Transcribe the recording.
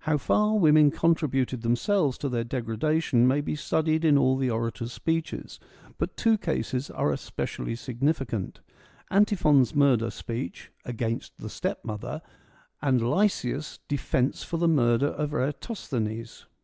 How far women contributed themselves to their degradation may be studied in all the orators' speeches, but two cases are especially significant : Antiphon's murder speech ' Against the stepmother,' and Lysias' * Defence for the murder of Eratosthenes.'